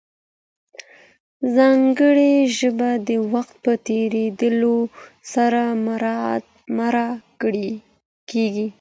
ځانګړې ژبه د وخت په تېرېدو سره مړه کېږي.